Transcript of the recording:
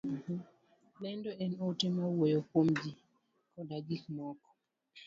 lendo en ote mawuoyo kuom ji koda gik moko.